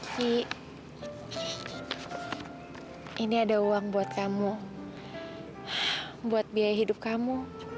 si ini ada uang buat kamu buat biaya hidup kamu